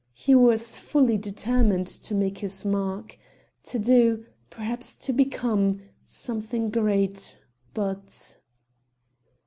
He was fully determined to make his mark: to do perhaps to become something great ... but....